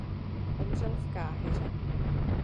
Umřel v Káhiře.